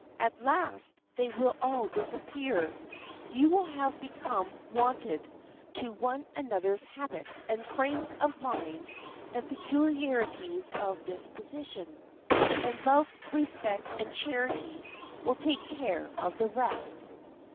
At last they will all disappear. You will have become wonted to one another's habits and frames of mind and peculiarities of disposition, and love, respect, and charity will take care of the rest.